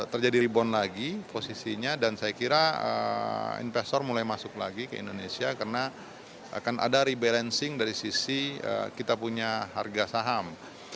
terjadi rebound lagi posisinya dan saya kira investor mulai masuk lagi ke indonesia karena akan ada rebalancing dari sisi kita punya harga saham